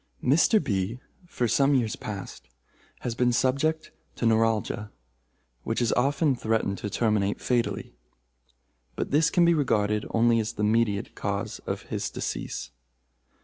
"Mr. B., for some years past, has been subject to neuralgia, which has often threatened to terminate fatally; but this can be regarded only as the mediate cause of his decease.